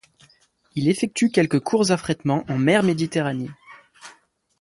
Il effectue quelques courts affrètements en Mer Méditerranée.